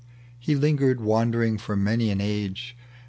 He lingered wandering for many an age.